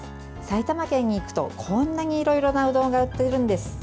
埼玉県に行くとこんなにいろいろなうどんが売っているんです。